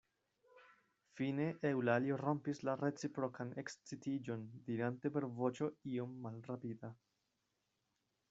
Fine Eŭlalio rompis la reciprokan ekscitiĝon, dirante per voĉo iom malrapida: